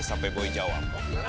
sampai boy jawab